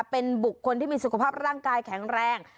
เป็นบุคคลที่มีสุขภาพร่างกายแข็งแรง